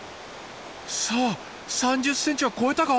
さあ３０ｃｍは超えたか？